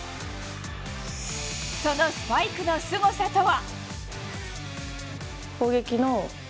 そのスパイクのすごさとは。